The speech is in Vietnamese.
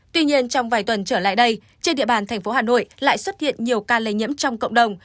tuy nhiên trong vài tuần trở lại đây trên địa bàn thành phố hà nội lại xuất hiện nhiều ca lây nhiễm trong cộng đồng